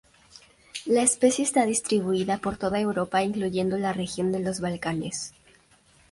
La especie está distribuida por toda Europa, incluyendo la región de los Balcanes.